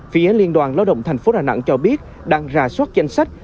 phía liên đoàn lao động thành phố đà nẵng cho biết đang ra soát danh sách